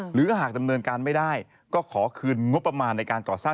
หรือถ้าหากดำเนินการไม่ได้ก็ขอคืนงบประมาณในการก่อสร้าง